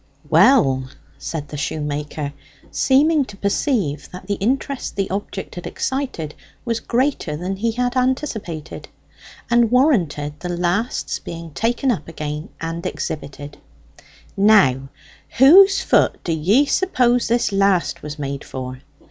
"Well," said the shoemaker, seeming to perceive that the interest the object had excited was greater than he had anticipated, and warranted the last's being taken up again and exhibited; "now, whose foot do ye suppose this last was made for?